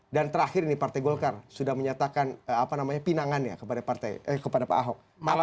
dan terakhir ini partai golkar sudah menyatakan apa namanya pinangannya kepada pak ahok